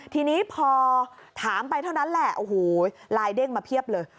ทีนี้พอถามไปเท่านั้นแหละโอ้โหไลน์เด้งมาเพียบเลย